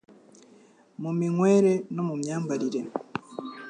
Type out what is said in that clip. mu minywere, no mu myambarire.